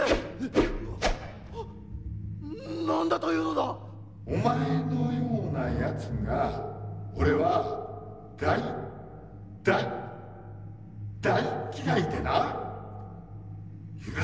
ハッなんだというのだ⁉お前のようなやつが俺は大大大っ嫌いでな許せんのだ。